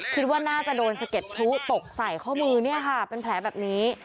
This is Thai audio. คิดว่าน่าจะโดนสะเก็ดพลุตกใส่ข้อมือเนี่ยค่ะเป็นแผลแบบนี้